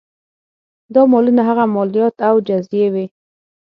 دا مالونه هغه مالیات او جزیې وې.